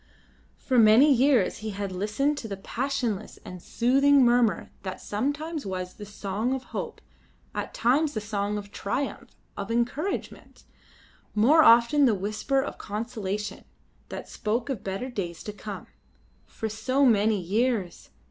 For many years he had listened to the passionless and soothing murmur that sometimes was the song of hope, at times the song of triumph, of encouragement; more often the whisper of consolation that spoke of better days to come. For so many years!